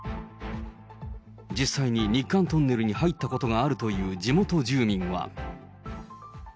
実際に日韓トンネルに入ったことがあるという地元住民は。